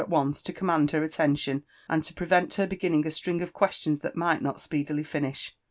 t o^^ce to corp m^nd hor attention, and \q prevent her beginning a §tringof questions ^lal rnight ncit spcedly finish.